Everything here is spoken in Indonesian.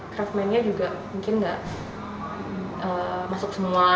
craftman nya juga mungkin nggak masuk semua